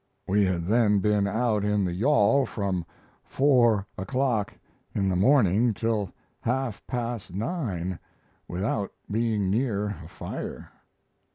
We had then been out in the yawl from four o'clock in the morning till half past nine without being near a fire.